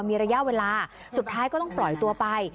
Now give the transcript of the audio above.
มีระยะเวลาสุดท้ายก็ต้องปล่อยตัวไป